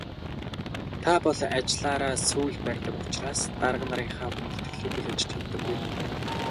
Та бол ажлаараа сүүл барьдаг учраас дарга нарынхаа хүндэтгэлийг хүлээж чаддаггүй хүн байна.